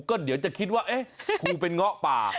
ก็เดี๋ยวจะคิดว่าเอ๊ะครูเป็นเงาะป่า